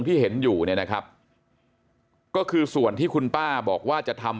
ที่เห็นอยู่เนี่ยนะครับก็คือส่วนที่คุณป้าบอกว่าจะทำ